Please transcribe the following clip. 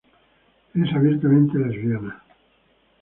Es abiertamente lesbiana.